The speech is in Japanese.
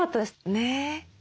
ねえ。